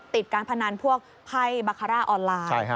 การพนันพวกไพ่บาคาร่าออนไลน์